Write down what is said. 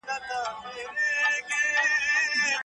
تاسي ولي په خپله ځواني کي د دین له احکامو سرغړونه کوئ؟